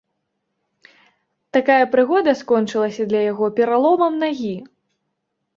Такая прыгода скончылася для яго пераломам нагі.